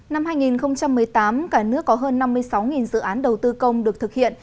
năm hai nghìn một mươi tám cả nước có hơn năm mươi sáu dự án đầu tư công được thực hiện